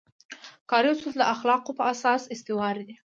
کاري اصول د اخلاقو په اساس استوار دي.